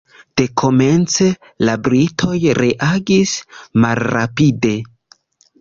Dekomence la britoj reagis malrapide.